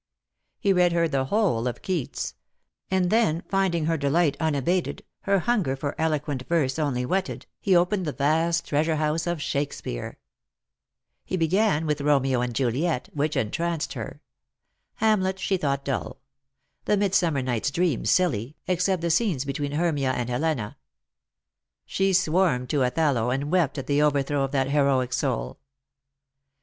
He read her the whole of Keats ; and then, finding her delight unabated, her hunger for eloquent verse onlv whetted, he opened the vast treasure house of Shakespeare. 1J e began with Romeo and Juliet, which entranced her. Hamlet she thought dull : the Midsummer Night' s Dream silly, except the scenes between Hermia and Helena. She warmed to Othello, and wept at the overthrow of that heroic soul.